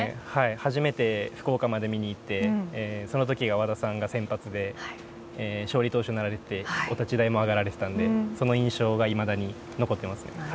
初めて福岡まで見に行ってその時が和田さんが先発で勝利投手になられてお立ち台も上がられてたのでその印象がいまだに残ってます。